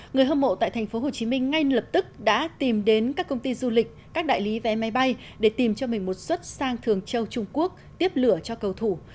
người hâm mộ tại tp hcm ngay lập tức đã tìm đến các công ty du lịch các đại lý vé máy bay để tìm cho mình một xuất sang thường châu trung quốc tiếp lửa cho cầu thủ